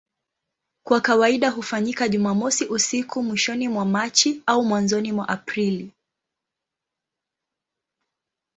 Kwa kawaida hufanyika Jumamosi usiku mwishoni mwa Machi au mwanzoni mwa Aprili.